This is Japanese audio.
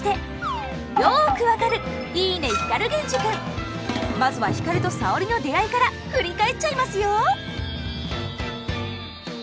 題してまずは光と沙織の出会いから振り返っちゃいますよ。